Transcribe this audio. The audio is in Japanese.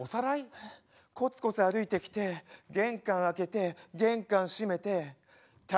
コツコツ歩いてきて玄関開けて玄関閉めてただいま。